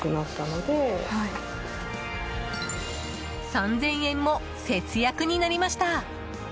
３０００円も節約になりました。